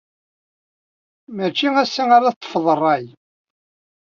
Mačči assa ara teṭṭfeḍ rray.